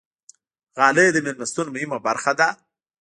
غالۍ د میلمستون مهمه برخه ده.